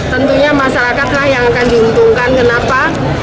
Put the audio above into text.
tentunya masyarakat yang akan dihitungkan kenapa